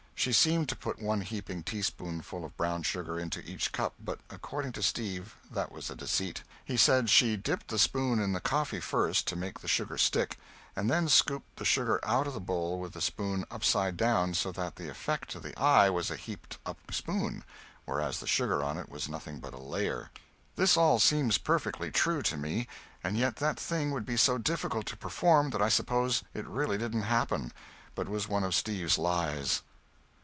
She seemed to put one heaping teaspoonful of brown sugar into each cup, but, according to Steve, that was a deceit. He said she dipped the spoon in the coffee first to make the sugar stick, and then scooped the sugar out of the bowl with the spoon upside down, so that the effect to the eye was a heaped up spoon, whereas the sugar on it was nothing but a layer. This all seems perfectly true to me, and yet that thing would be so difficult to perform that I suppose it really didn't happen, but was one of Steve's lies.